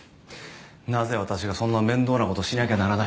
なぜ私がそんな面倒なことしなきゃならない？